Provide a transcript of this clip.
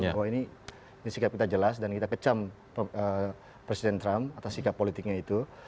bahwa ini sikap kita jelas dan kita kecam presiden trump atas sikap politiknya itu